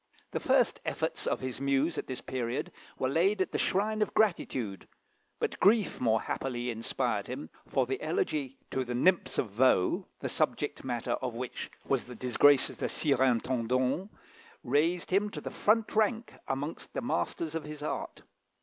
The first efforts of his muse at this period were laid at the shrine of gratitude, but grief more happily inspired him, for the "Elegy to the Nymphs of Vaux," the subject matter of which was the disgrace of the Surintendant, raised him to the front rank amongst the masters of his art.